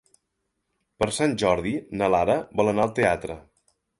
Per Sant Jordi na Lara vol anar al teatre.